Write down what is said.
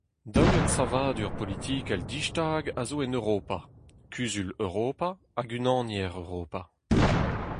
Daou ensavadur politikel distag a zo en Europa : Kuzul Europa hag Unaniezh Europa.